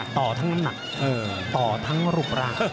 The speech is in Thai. ต่อทั้งน้ำหนักต่อทั้งรูปร่าง